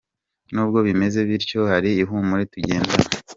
Nubwo bimeze bityo hari ihumure tugendana.